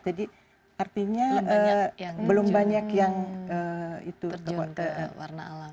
jadi artinya belum banyak yang itu terjun ke warna alam